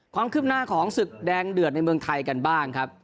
ความคืบหน้าของศึกแดงเดือดในเมืองไทยกันบ้างครับ